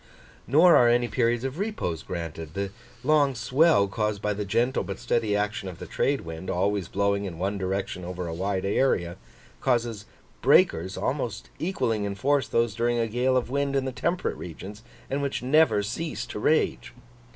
Nor are any periods of repose granted. The long swell caused by the gentle but steady action of the trade wind, always blowing in one direction over a wide area, causes breakers, almost equalling in force those during a gale of wind in the temperate regions, and which never cease to rage.